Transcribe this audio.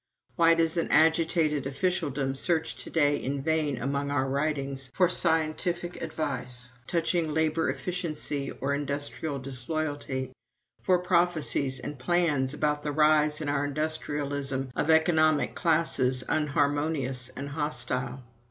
Why does an agitated officialdom search to day in vain among our writings, for scientific advice touching labor inefficiency or industrial disloyalty, for prophecies and plans about the rise in our industrialism of economic classes unharmonious and hostile?